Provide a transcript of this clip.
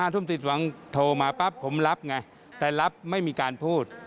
ทุ่มติดหวังโทรมาปั๊บผมรับไงแต่รับไม่มีการพูด